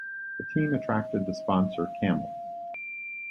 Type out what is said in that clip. The team attracted the sponsor Camel.